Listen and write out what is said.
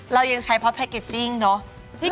เรายังใช้เพราะแพ็กเกจจิ้งเนอะ